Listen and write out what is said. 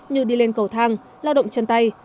như đi lên cầu thang lao động chân tay